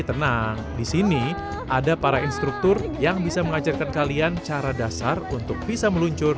tenang disini ada para instruktur yang bisa mengajarkan kalian cara dasar untuk bisa meluncur